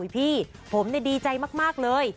พี่ผมดีใจมากเลย